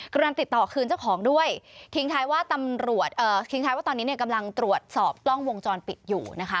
กำลังติดต่อคืนเจ้าของด้วยคิดท้ายว่าตอนนี้กำลังตรวจสอบกล้องวงจรปิดอยู่นะคะ